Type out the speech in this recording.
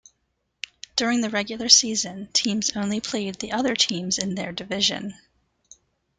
During the regular season, teams only played the other teams in their division.